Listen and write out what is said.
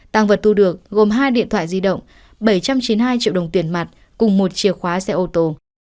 tăng vật thu được gồm hai điện thoại di động bảy trăm chín mươi hai triệu đồng tiền mặt cùng một chìa khóa xe ô tô